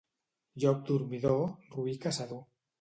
Llop dormidor, roí caçador.